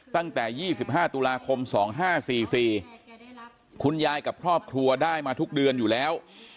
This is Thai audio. ตั้งแต่๒๕ตุลาคม๒๕๔๔คุณยายกับครอบครัวได้มาทุกเดือนอยู่แล้ว